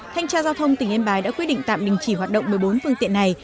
thanh tra giao thông tỉnh yên bái đã quyết định tạm đình chỉ hoạt động một mươi bốn phương tiện này